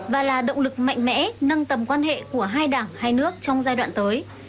và là động lực mạnh mẽ nâng tầm quan hệ của hai đảng hai nước trong giai đoạn tới